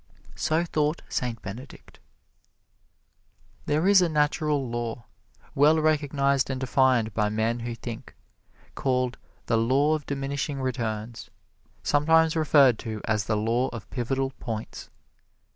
So thought Saint Benedict. There is a natural law, well recognized and defined by men who think, called the Law of Diminishing Returns, sometimes referred to as the Law of Pivotal Points.